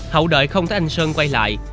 hậu đợi không thấy anh sơn quay lại